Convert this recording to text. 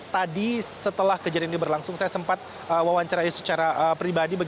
tadi setelah kejadian ini berlangsung saya sempat wawancarai secara pribadi